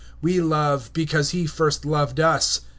(19)We love, because he first loved us.